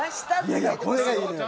いやいやこれがいいのよ。